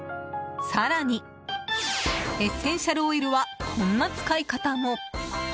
更に、エッセンシャルオイルはこんな使い方も。